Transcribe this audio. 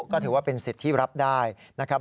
ก็ถือว่าเป็นสิทธิ์ที่รับได้นะครับ